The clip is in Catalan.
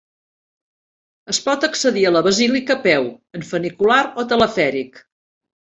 Es pot accedir a la basílica a peu, en funicular o telefèric.